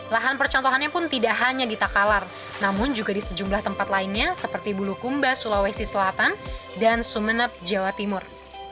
lahan percontohannya pun tidak hanya di takalar namun juga di sejumlah tempat lainnya seperti bulukumba sulawesi selatan dan sumeneb jawa timur